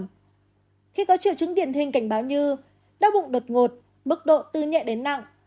khi có triệu chứng điển hình cảnh báo như đau bụng đột ngột mức độ tư nhẹ đến nặng